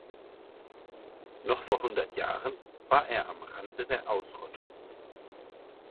Noch vor hundert Jahren war er am Rande der Ausrottung.